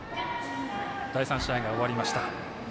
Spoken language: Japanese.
第３試合が終わりました。